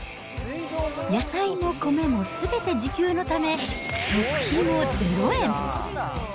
野菜も米もすべて自給のため、食費も０円。